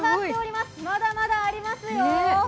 まだまだありますよ。